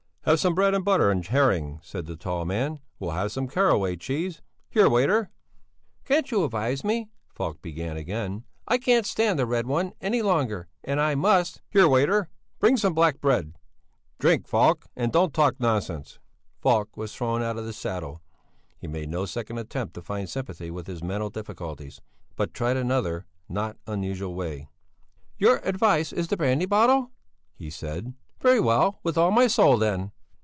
"Have some bread and butter and a herring," said the tall man. "We'll have some caraway cheese. Here! Waiter!" "Can't you advise me?" Falk began again. "I can't stand the Red One any longer, and I must...." "Here! Waiter! Bring some black bread! Drink, Falk, and don't talk nonsense." Falk was thrown out of the saddle; he made no second attempt to find sympathy with his mental difficulties, but tried another, not unusual way. "Your advice is the brandy bottle?" he said. "Very well, with all my soul, then!"